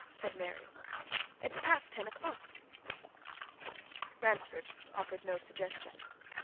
said Mary. "It's past ten o'clock." Ransford offered no suggestion.